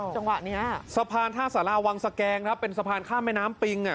จังหวะเนี้ยสะพานท่าสาราวังสแกงครับเป็นสะพานข้ามแม่น้ำปิงอ่ะ